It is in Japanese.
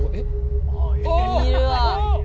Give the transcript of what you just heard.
いるわあ。